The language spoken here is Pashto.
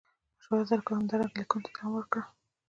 مشوره در کوو همدارنګه لیکنو ته دوام ورکړه.